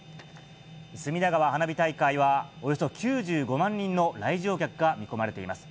隅田川花火大会は、およそ９５万人の来場客が見込まれています。